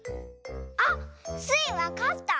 あっスイわかった！